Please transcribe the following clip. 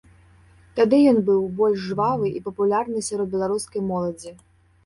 Тады ён быў больш жвавы і папулярны сярод беларускай моладзі.